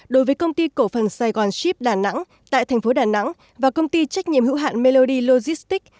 đối với công ty cổ phần saigon ship đà nẵng tại tp hcm và công ty trách nhiệm hữu hạn melody logistics